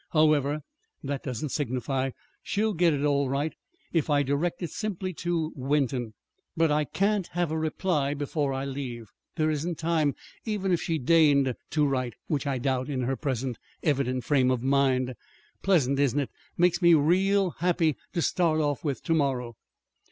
However, that doesn't signify. She'll get it all right, if I direct it simply to Wenton. But I can't have a reply before I leave. There isn't time, even if she deigned to write which I doubt, in her present evident frame of mind. Pleasant, isn't it? Makes me feel real happy to start off with, to morrow!"